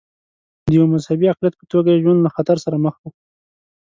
د یوه مذهبي اقلیت په توګه یې ژوند له خطر سره مخ و.